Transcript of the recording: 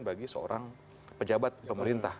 bagi seorang pejabat pemerintah